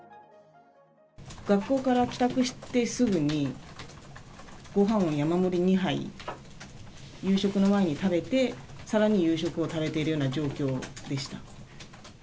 学校から帰宅してすぐに、ごはんを山盛り２杯、夕食の前に食べて、さらに夕食を食べているような状況でした。